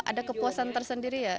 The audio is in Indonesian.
ada kepuasan tersendiri ya